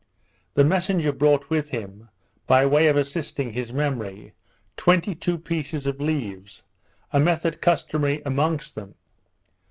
The messenger brought with him, by way of assisting his memory, twenty two pieces of leaves, a method customary amongst them.